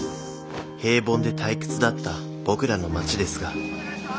平凡で退屈だった僕らの町ですが。